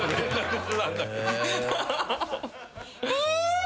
え？